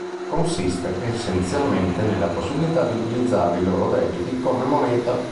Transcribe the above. Consiste essenzialmente nella possibilità di utilizzare i loro debiti come moneta.